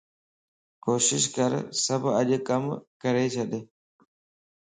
ڪوشش ڪر سڀ اڄ ڪم ڪري ڇڏ